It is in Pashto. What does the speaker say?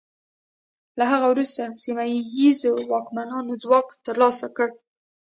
له هغه وروسته سیمه ییزو واکمنانو ځواک ترلاسه کړ.